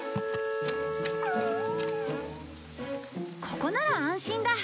ここなら安心だ。